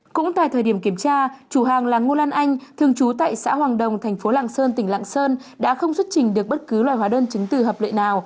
cũng tại thời điểm kiểm tra chủ hàng là ngô lan anh thường trú tại xã hoàng đồng thành phố lạng sơn tỉnh lạng sơn đã không xuất trình được bất cứ loại hóa đơn chứng từ hợp lệ nào